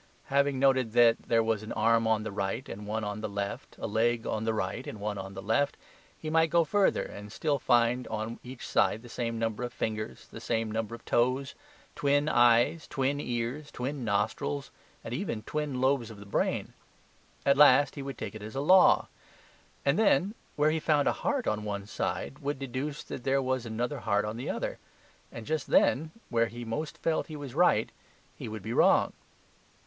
Having noted that there was an arm on the right and one on the left, a leg on the right and one on the left, he might go further and still find on each side the same number of fingers, the same number of toes, twin eyes, twin ears, twin nostrils, and even twin lobes of the brain. At last he would take it as a law; and then, where he found a heart on one side, would deduce that there was another heart on the other. And just then, where he most felt he was right, he would be wrong.